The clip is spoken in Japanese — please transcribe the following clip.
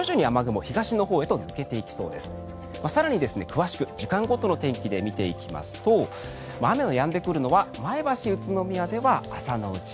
更に、詳しく時間ごとの天気で見ていきますと雨がやんでくるのは前橋、宇都宮では朝のうち。